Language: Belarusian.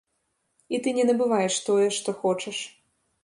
І ты не набываеш тое, што хочаш.